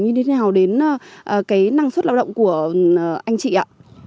nóng như thế nào đến năng suất lao động của anh chị ạ